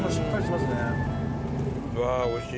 うわあおいしい。